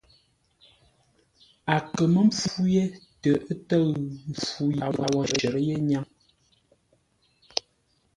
A kə mə́ mpfú yé tə ə́ tə̂ʉ mpfu yi a wo shərə́ yé ńnyáŋ.